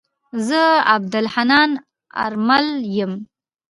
زه عبدالحنان آرمل يم.